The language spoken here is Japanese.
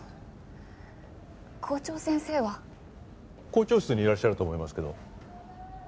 校長室にいらっしゃると思いますけど。